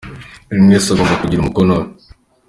buriwese agomba kugira umukono we.